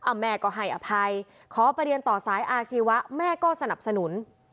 แม่ก็ให้อภัยขอไปเรียนต่อสายอาชีวะแม่ก็สนับสนุน